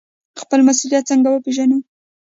خپل مسوولیت څنګه وپیژنو؟